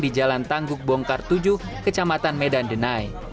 di jalan tangguk bongkar tujuh kecamatan medan denai